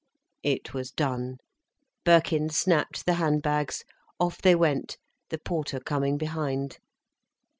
It was done. Birkin snapped the hand bags, off they went, the porter coming behind.